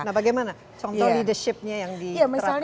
nah bagaimana contoh leadershipnya yang diterapkan oleh mbak eka